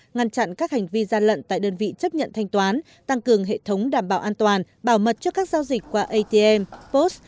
ngăn chặn các hành vi gian lận tại đơn vị chấp nhận thanh toán tăng cường hệ thống đảm bảo an toàn bảo mật cho các giao dịch qua atm post